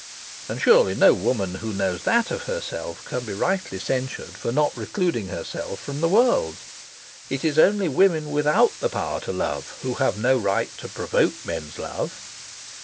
And, surely, no woman who knows that of herself can be rightly censured for not recluding herself from the world: it is only women without the power to love who have no right to provoke men's love.